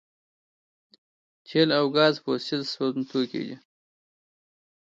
تیل او ګاز فوسیل سون توکي دي